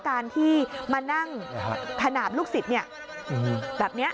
การที่มานั่งขนาดลูกศิษย์แบบนี้